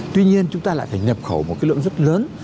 tuy nhiên chúng ta lại phải nhập khẩu một cái lượng rất lớn